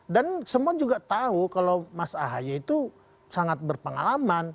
dan semua juga tahu kalau mas ahy itu sangat berpengalaman